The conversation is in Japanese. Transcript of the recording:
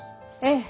ええ。